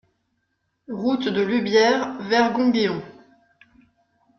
Route de Lubières, Vergongheon